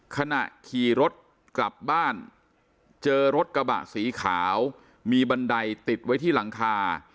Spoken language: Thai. ขณะขี่รถกลับบ้านเจอรถกระบะสีขาวมีบันไดติดไว้ที่หลังคา